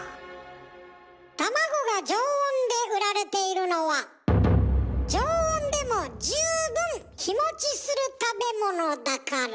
卵が常温で売られているのは常温でも十分日持ちする食べ物だから。